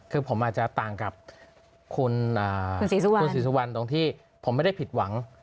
คือผมอาจจะต่างกับคุณศรีสุวรรณตรงที่ผมไม่ได้ผิดหวัง